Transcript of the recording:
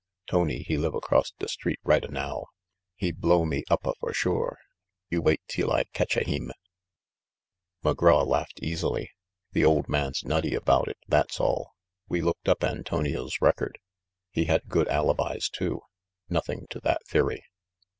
Tony, he live across da street right a now. He blow me up a for sure. You wait teel I catch a heem !" McGraw laughed easily. "The old man's nutty about it, that's all. We looked up Antonio's record. He had good alibis, too. Nothing to that theory."